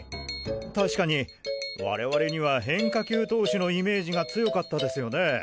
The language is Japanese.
確かに我々には変化球投手のイメージが強かったですよね。